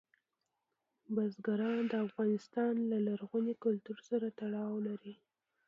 بزګان د افغانستان له لرغوني کلتور سره تړاو لري.